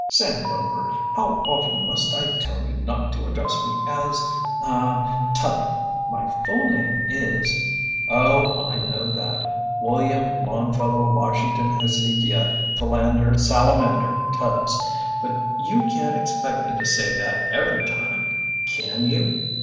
"Sam Rover, how often must I tell you not to address me as ah Tubby. My full name is " "Oh, I know that William Longfellow Washington Hezekiah Philander Salamander Tubbs. But you can't expect me to say that every time, can you?"